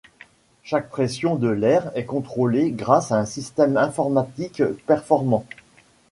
Chaque pression de l'air est contrôlée grâce à un système informatique performant.